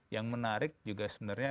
yang menarik juga sebenarnya